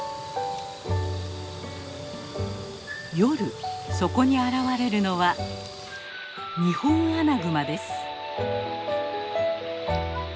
夜そこに現れるのはニホンアナグマです。